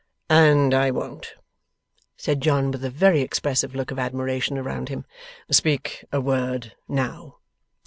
'And I won't,' said John, with a very expressive look of admiration around him, 'speak a word now!